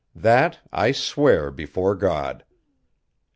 That I swear before God.